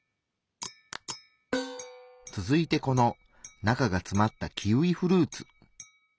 続いてこの中がつまったキウイフルーツ。